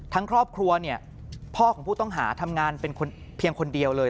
ทั้งครอบครัวพ่อของผู้ต้องหาทำงานเพียงคนเดียวเลย